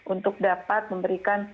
untuk dapat memberikan